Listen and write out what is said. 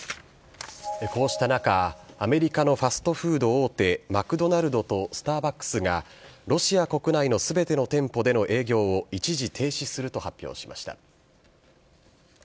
こうした中、アメリカのファストフード大手、マクドナルドとスターバックスがロシア国内のすべての店舗での営業を一時停止すると発表しました。